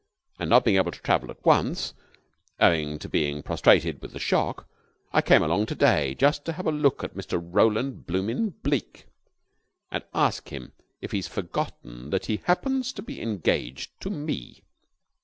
And not being able to travel at once, owing to being prostrated with the shock, I came along to day, just to have a look at Mr. Roland Blooming Bleke, and ask him if he's forgotten that he happens to be engaged to me.